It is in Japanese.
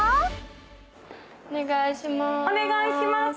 お願いしまーす。